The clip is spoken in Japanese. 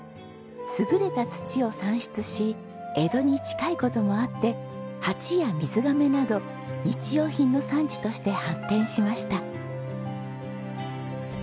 優れた土を産出し江戸に近い事もあって鉢や水がめなど日用品の産地として発展しました。